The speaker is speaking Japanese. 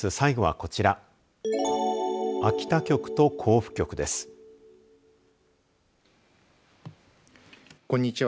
こんにちは。